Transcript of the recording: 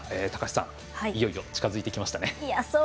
高橋さん、いよいよ近づいてきましたね。